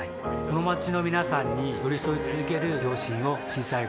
この街の皆さんに寄り添い続ける両親を小さい頃から見ていました